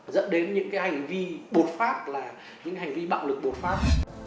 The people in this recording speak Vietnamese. dẫn đến những cái hành vi bột phát là những hành vi bạo lực bột phát